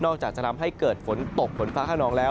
นอกจากจะนำให้เกิดฝนตกฝนฟ้าข้างนอกแล้ว